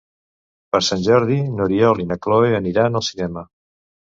Per Sant Jordi n'Oriol i na Cloè aniran al cinema.